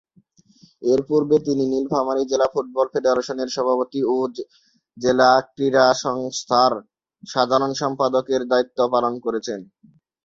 এরপূর্বে তিনি নীলফামারী জেলা ফুটবল ফেডারেশনের সভাপতি ও জেলা ক্রীড়া সংস্থার সাধারণ সম্পাদকের দায়িত্ব পালন করেছেন।